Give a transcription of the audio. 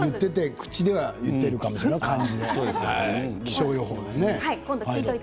口では言ってるかもしれないよ、漢字で。